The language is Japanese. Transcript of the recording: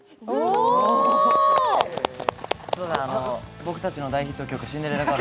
僕たちの大ヒット曲「シンデレラガール」。